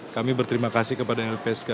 kami berterima kasih kepada lpsk